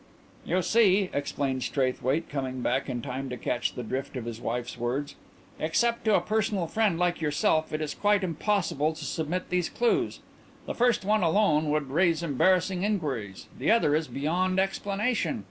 "You see," explained Straithwaite, coming back in time to catch the drift of his wife's words, "except to a personal friend like yourself, it is quite impossible to submit these clues. The first one alone would raise embarrassing inquiries; the other is beyond explanation.